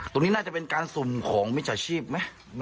ตรงนี้น่าจะเป็นการสุ่มของมิจฉาชีพไหม